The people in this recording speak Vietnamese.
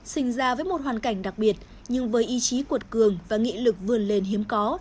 sinh ra với một hoàn cảnh đặc biệt nhưng với ý chí cuột cường và nghị lực vươn lên hiếm có